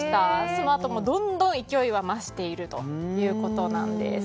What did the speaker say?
そのあとも、どんどん勢いは増しているということです。